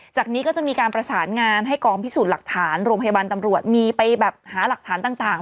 จากนี้ก็จะมีการประสานงานให้กองพิสูจน์หลักฐานโรงพยาบาลตำรวจมีไปแบบหาหลักฐานต่าง